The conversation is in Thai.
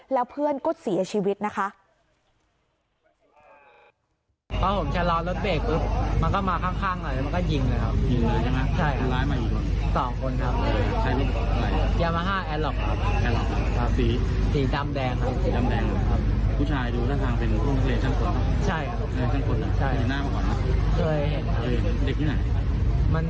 แล้วเพื่อนก็เสียชีวิตนะคะ